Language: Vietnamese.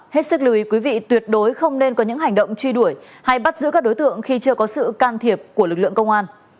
hết sức lưu ý quý vị tuyệt đối không nên có những hành động truy đuổi hay bắt giữ các đối tượng khi chưa có sự can thiệp của lực lượng công an